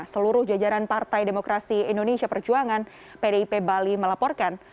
seluruh jajaran partai demokrasi indonesia perjuangan pdip bali melaporkan